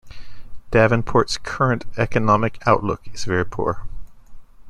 Davenport's current economic outlook is very poor.